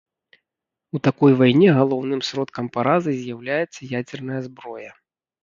У такой вайне галоўным сродкам паразы з'яўляецца ядзерная зброя.